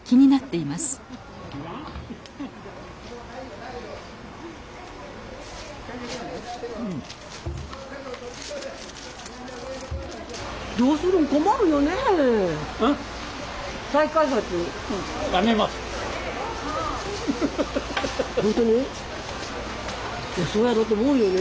いやそうやろうと思うよね。